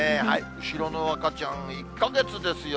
後ろの赤ちゃん、１か月ですよ。